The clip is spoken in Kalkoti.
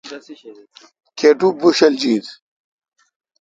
کاٹو بوݭلجیت۔